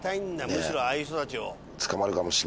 むしろああいう人たちを。